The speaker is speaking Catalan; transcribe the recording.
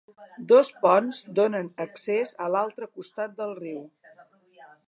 Dos ponts donen accés a l"altre costat del riu.